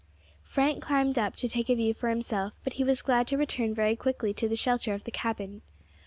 Frank climbed up to take a view for himself, but he was glad to return very quickly to the shelter of the cabin.